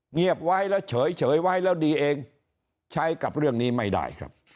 เงียบไว้แล้วเฉยไว้แล้วดีเองใช้กับเรื่องนี้ไม่ได้ครับ